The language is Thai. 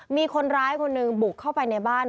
มีคนร้ายคนหนึ่งบุกเข้าไปในบ้าน